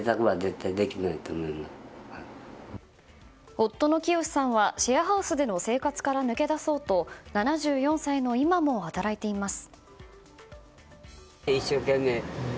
夫の清さんはシェアハウスでの生活から抜け出そうと７４歳の今も働いています。